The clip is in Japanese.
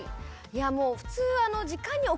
いやもう普通。